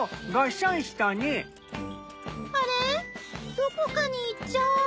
どこかに行っちゃう。